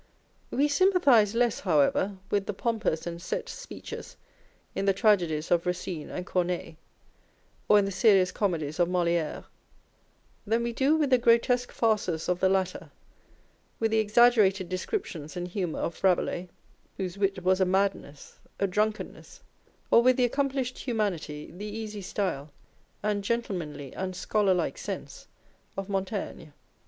We sympathise less, however, with the pompous and set speeches in the tragedies of Eacine and Corneille, or in the serious comedies of Molicre, than we do with the grotesque farces of the latter, with the ex aggerated descriptions and humour of Eabelais (whose wit was a madness, a drunkenness), or with the accom plished humanity, the easy style, and gentlemanly and scholar like sense of Montaigne.